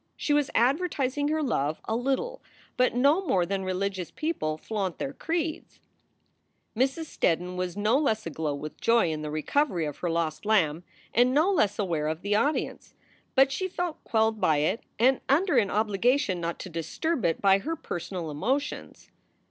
She was advertising her love a little, but no more than religious people flaunt their creeds. Mrs. Steddon was no less aglow with joy in the recovery of her lost lamb, and no less aware of the audience, but she felt quelled by it and under an obligation not to disturb it by her personal emotions.